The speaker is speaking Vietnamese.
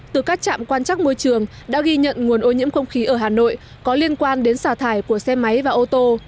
từ các trạm quan trắc môi trường đã ghi nhận nguồn ô nhiễm không khí ở hà nội có liên quan đến xả thải của xe máy và ô tô